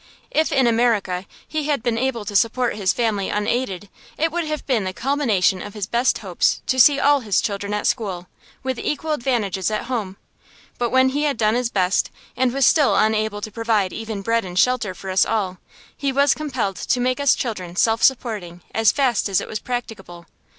If, in America, he had been able to support his family unaided, it would have been the culmination of his best hopes to see all his children at school, with equal advantages at home. But when he had done his best, and was still unable to provide even bread and shelter for us all, he was compelled to make us children self supporting as fast as it was practicable.